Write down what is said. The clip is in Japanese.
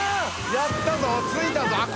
やったぞ着いたぞあっ